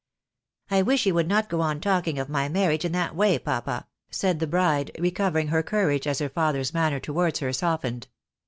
" I wish you would not go on talking of my marriage in that way, papa," said the bride, recovering her courage as her father's manner towards her softened.